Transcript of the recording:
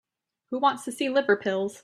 Who wants to see liver pills?